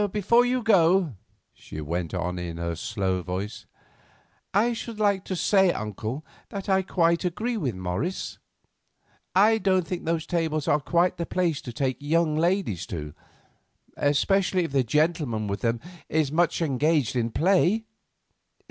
"Before you go," she went on in her slow voice, "I should like to say, uncle, that I quite agree with Morris. I don't think those tables are quite the place to take young ladies to, especially if the gentleman with them is much engaged in play."